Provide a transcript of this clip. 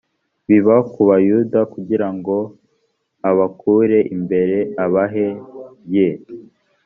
biba ku bayuda kugira ngo ab kure imbere abah ye